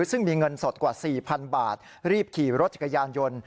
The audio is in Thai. ซึ่งมีเงินสดกว่า๔๐๐๐บาทรีบขี่รถจักรยานยนต์